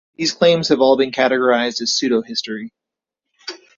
These claims have all been categorized as pseudohistory.